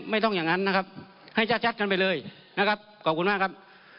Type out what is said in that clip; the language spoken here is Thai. อย่างนั้นนะครับให้ชัดกันไปเลยนะครับขอบคุณมากครับ